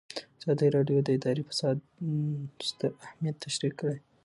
ازادي راډیو د اداري فساد ستر اهميت تشریح کړی.